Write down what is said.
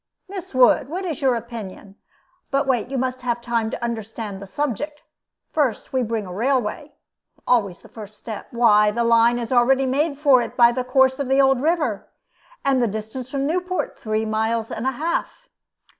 Miss Wood, what is your opinion? But wait, you must have time to understand the subject. First we bring a railway always the first step; why, the line is already made for it by the course of the old river, and the distance from Newport three miles and a half.